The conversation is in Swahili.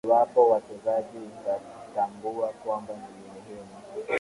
iwapo ule mchezaji utamtambua kwamba ni muhimu